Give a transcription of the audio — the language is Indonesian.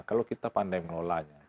kalau kita pandai mengelolanya